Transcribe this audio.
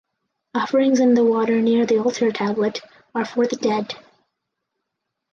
Offerings and the water near the altar tablet are for the dead.